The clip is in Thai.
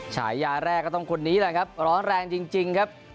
ฉายาแรกก็ต้องคนนี้แหละครับร้อนแรงจริงครับ